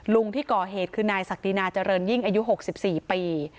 ลุงที่ก่อเหตุคือนายศักดินาเจริญยิ่งอายุ๖๔ปี